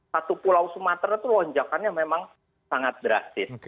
satu pulau sumatera itu lonjakannya memang sangat drastis